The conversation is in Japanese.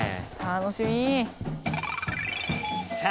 楽しみ！